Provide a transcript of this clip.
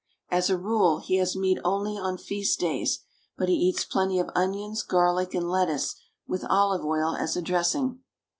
As a rule he has meat only on feast days, but he eats plenty of onions, garlic, and let tuce, with olive oil as a dressing.